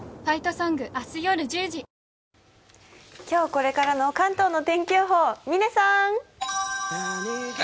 今日これからの関東の天気予報、嶺さん！